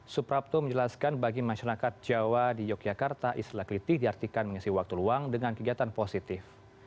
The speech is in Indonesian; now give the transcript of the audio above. suprapto menjelaskan bagi masyarakat jawa di yogyakarta istilah kelitih diartikan mengisi waktu luang dengan kegiatan positif